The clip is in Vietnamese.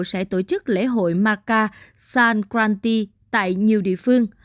sẽ tổ chức lễ hội maka sankranti tại nhiều địa phương